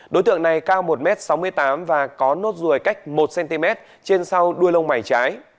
đối tượng này cao một m sáu mươi tám và có nốt ruồi cách một cm trên sau đuôi lông mày trái